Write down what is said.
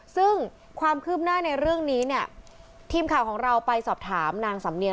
ซึ่งความคืบหน้าในเรื่องนี้เนี่ยทีมข่าวของเราไปสอบถามนางสำเนียง